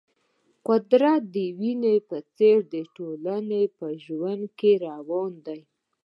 قدرت د وینې په څېر د ټولنې په ژوند کې روان دی.